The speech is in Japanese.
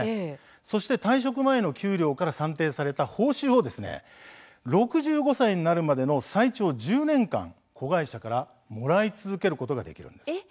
そして、退職前の給料から算定された報酬を６５歳になるまでの最長１０年間子会社からもらい続けることができるんです。